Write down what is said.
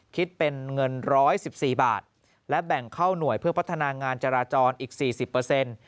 คิดเป็นเงิน๑๑๔บาทและแบ่งเข้าหน่วยเพื่อพัฒนางานจราจรอีก๔๐เปอร์เซ็นต์